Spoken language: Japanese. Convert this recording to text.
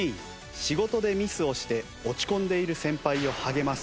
仕事でミスをして落ち込んでいる先輩を励ます。